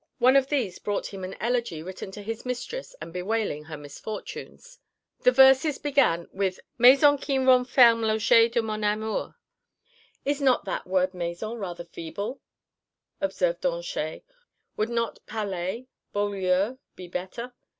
One of these brought him an elegy written to his mistress and bewailing her misfortunes. The verses began with Maison qui renfermes l'objet de mon amour. "Is not that word maison rather feeble?" observed Danchet; "would not palais, beau lieu ... be better?"